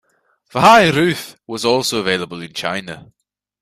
The high roof was also available in China.